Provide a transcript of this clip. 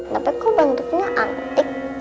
tapi kok bentuknya antik